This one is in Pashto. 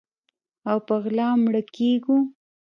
او په غلا مړه کیږو